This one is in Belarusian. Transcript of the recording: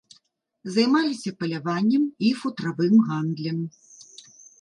Займаліся паляваннем і футравым гандлем.